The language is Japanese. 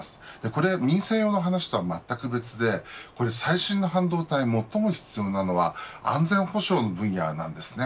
これ、民生用の話とはまったく別で最新の半導体で最も必要なのは安全保障の分野です。